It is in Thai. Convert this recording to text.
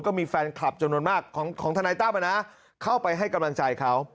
ก็มีแฟนคลับจำนวนมากของทนายตั้มเข้าไปให้กำลังใจเขา